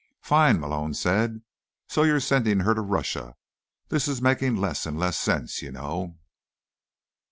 "Fine," Malone said. "So you're sending her to Russia. This is making less and less sense, you know."